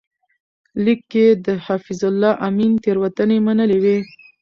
لیک کې یې د حفیظالله امین تېروتنې منلې وې.